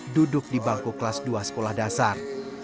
duduk di bangku kelas dua sekolah dasar